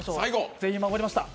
全員守りました。